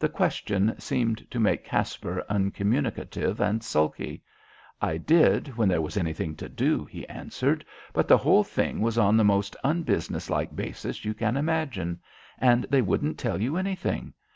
The question seemed to make Caspar uncommunicative and sulky. "I did when there was anything to do," he answered. "But the whole thing was on the most unbusiness like basis you can imagine. And they wouldn't tell you anything.